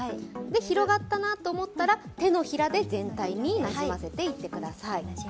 広がったなと思ったら、手のひらで全体になじませていってください。